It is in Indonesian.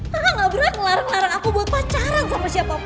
kakak gak berat ngelarang larang aku buat pacaran sama siapapun